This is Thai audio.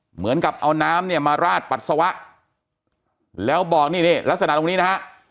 เหมือนกับเอาน้ำเนี่ยมาราดปัสสาวะแล้วบอกนี่นี่ลักษณะตรงนี้นะฮะ